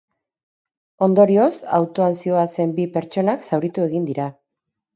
Ondorioz, autoan zihoazen bi pertsonak zauritu egin dira.